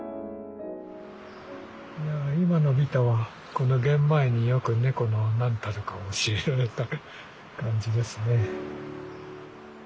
今のビタはこのゲンマイによく猫の何たるかを教えられた感じですね。